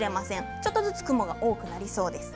ちょっとずつ雲が多くなりそうです。